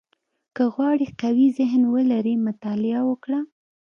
• که غواړې قوي ذهن ولرې، مطالعه وکړه.